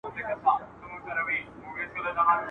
ملنګه ! دا سپوږمۍ هم د چا ياد کښې ده ستومانه !.